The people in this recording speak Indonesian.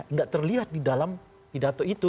nggak terlihat di dalam pidato itu